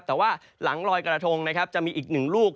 แต่ว่าหลังลอยกระทงนะครับจะมีอีกหนึ่งลูก